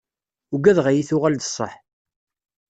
Ugadeɣ ad iyi-tuɣal d ṣṣeḥ.